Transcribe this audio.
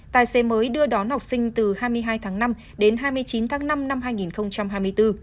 tài xế mới đưa đón học sinh từ hai mươi hai tháng năm đến hai mươi chín tháng năm năm hai nghìn hai mươi bốn